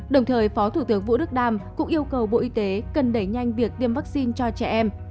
đồng thời phó thủ tướng vũ đức đam cũng yêu cầu bộ y tế cần đẩy nhanh việc tiêm vaccine cho trẻ em